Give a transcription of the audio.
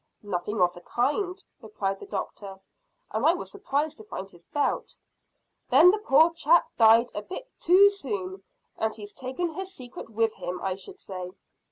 "Nothing of the kind," replied the doctor, "and I was surprised to find his belt." "Then the poor chap died a bit too soon, and he's taken his secret with him, I should say."